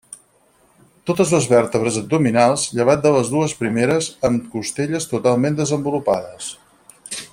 Totes les vèrtebres abdominals, llevat de les dues primeres, amb costelles totalment desenvolupades.